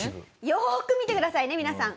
よく見てくださいね皆さん。